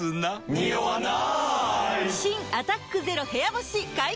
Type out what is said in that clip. ニオわない！